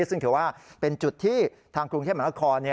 ซึ่งเขียวว่าเป็นจุดที่ทางกรุงเทพฯมหาคอ